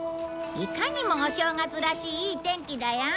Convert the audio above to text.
いかにもお正月らしいいい天気だよ。